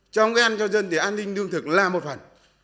trong cái ăn cho dân thì an ninh đương thực là một phần